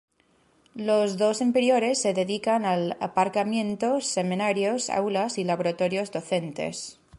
Los dos inferiores se dedican al aparcamiento, seminarios, aulas y laboratorios docentes.